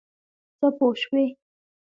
څه پوه شوې.